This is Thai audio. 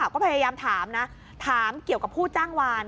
ก็พยายามถามนะถามเกี่ยวกับผู้จ้างวาน